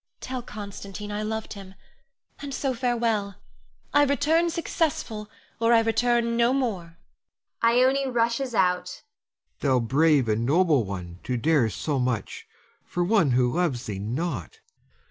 Tell Constantine I loved him, and so farewell. I return successful, or I return no more. [Ione rushes out. Helon. Thou brave and noble one to dare so much for one who loves thee not!